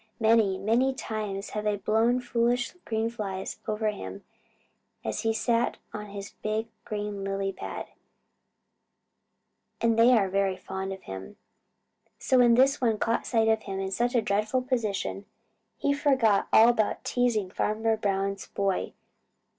Many, many times they have blown foolish green flies over to him as he sat on his big green lily pad, and they are very fond of him. So when this one caught sight of him in such a dreadful position, he forgot all about teasing Farmer Brown's boy.